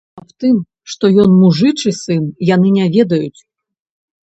Аб тым, што ён мужычы сын, яны не ведаюць.